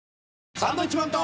サンドウィッチマンと。